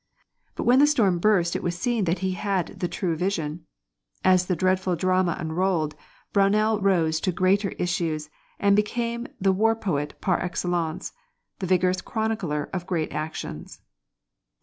But when the storm burst it was seen that he had the true vision. As the dreadful drama unrolled, Brownell rose to greater issues, and became the war poet par excellence, the vigorous chronicler of great actions.